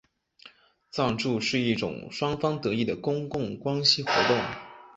赞助是一种双方得益的公共关系活动。